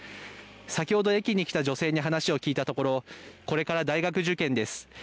先ほど駅に来た女性に話を聞いたところ、これから大学受験です。